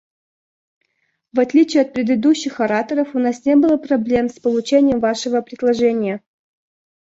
В отличие от предыдущих ораторов, у нас не было проблем с получением Вашего предложения.